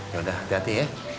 yaudah hati hati ya